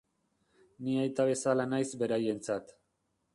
Ni aita bezala naiz beraientzat.